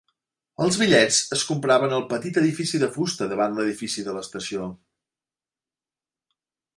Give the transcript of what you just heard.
Els bitllets es compraven al petit edifici de fusta davant l'edifici de l'estació.